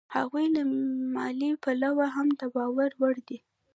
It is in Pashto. هغوی له مالي پلوه هم د باور وړ دي